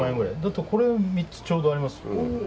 これ３つ、ちょうどあります。